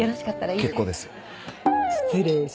結構です。